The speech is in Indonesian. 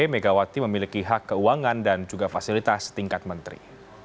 megawati memiliki hak keuangan dan juga fasilitas tingkat menteri